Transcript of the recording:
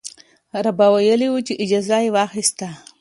رابعه ویلي وو چې اجازه یې واخیسته.